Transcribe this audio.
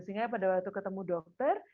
sehingga pada waktu ketemu dokter